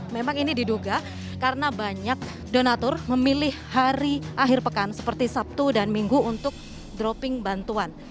memang ini diduga karena banyak donatur memilih hari akhir pekan seperti sabtu dan minggu untuk dropping bantuan